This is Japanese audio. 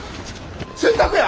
洗濯や！